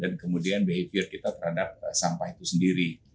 dan kemudian perangkat kita terhadap sampah itu sendiri